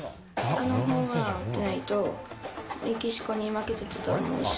あのホームランを打ってないと、メキシコに負けてたと思うし。